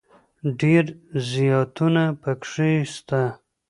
ډېر زياتونه پکښي سته.